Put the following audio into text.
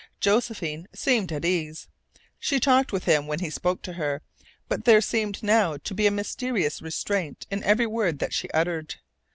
Josephine seemed at ease. She talked with him when he spoke to her, but there seemed now to be a mysterious restraint in every word that she uttered.